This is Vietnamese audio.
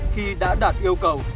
khi đã đặt yêu cầu